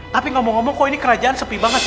tapi ngomong ngomong kok ini kerajaan sepi banget sih